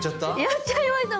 やっちゃいました。